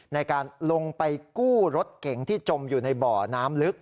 ในการลงไปกู้รถเก๋งที่จมอยู่ในบ่อน้ำลึก